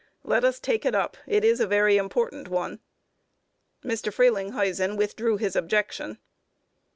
Let us take it up. It is a very important one." Mr. Frelinghuysen withdrew his objection.